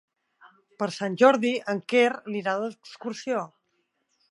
Per Sant Jordi en Quer anirà d'excursió.